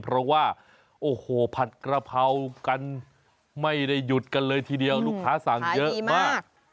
เพราะว่าโอ้โหผัดกระเพรากันไม่ได้หยุดกันเลยทีเดียวลูกค้าสั่งเยอะมาก